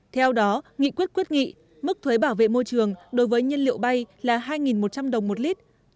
theo đó nghị quyết quyết nghị mức thuế bảo vệ môi trường đối với nhân liệu bay là hai một trăm linh đồng một lít